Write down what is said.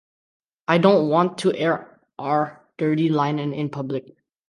I don't want to air our dirty linen in public.